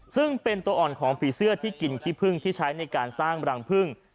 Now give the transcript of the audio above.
ซึ่งเป็นตัวอ่อนของฝีเสื้อที่กินขี้พึ่งที่ใช้ในการสร้างรังพึ่ง